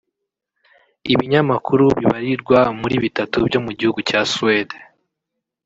Ibinyamakuru bibarirwa muri bitatu byo mu gihugu cya Suede